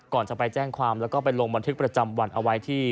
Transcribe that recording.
ก่อนจะไปแจ้งความแล้วก็ไปลงบันทึกประจำวันเอาไว้ที่